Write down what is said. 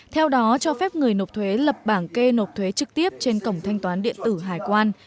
theo đó cho phép người nộp thuế lập bảng kê nộp thuế trực tiếp trên cổng thanh toán điện tử hải quan